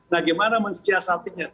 nah gimana mengeceh satinya